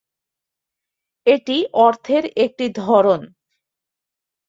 এটি অর্থের একটি ধরন।